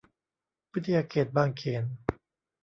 วิทยาเขตบางเขน